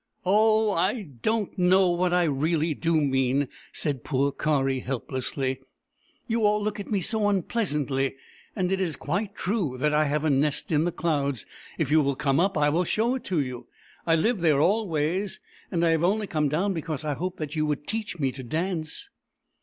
" Oh, I don't know what I really do mean !" said poor Kari helplessly. " You all look at me so unpleasantly. And it is quite true that I have a nest in the clouds — if you will come up, I will show it to you. I live there always, and I have only come down because I hoped that you would teach me to dance